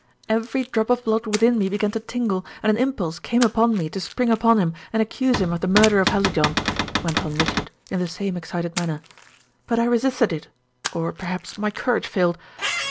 "Every drop of blood within me began to tingle, and an impulse came upon me to spring upon him and accuse him of the murder of Hallijohn," went on Richard, in the same excited manner. "But I resisted it; or, perhaps, my courage failed.